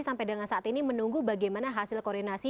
sampai dengan saat ini menunggu bagaimana hasil koordinasi